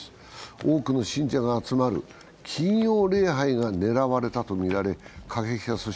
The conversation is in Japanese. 多くの信者が集まる金曜礼拝が狙われたとみられ過激派組織